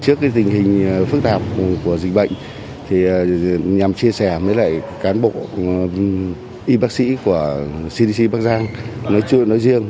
trước tình hình phức tạp của dịch bệnh nhằm chia sẻ với lại cán bộ y bác sĩ của cdc bác giang nói riêng